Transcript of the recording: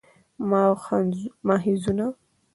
ماخذونه: